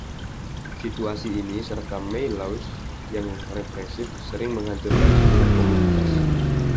Situasi ini, serta May Laws yang represif, sering menghancurkan seluruh komunitas.